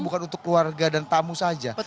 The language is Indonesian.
bukan untuk keluarga dan tamu saja